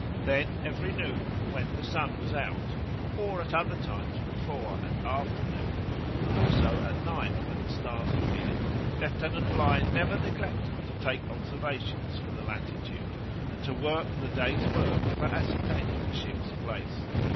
Then, every noon, when the sun was out, or at other times before and after noon, and also at night when the stars appeared, Lieutenant Bligh never neglected to take observations for the latitude, and to work the day's work for ascertaining the ship's place.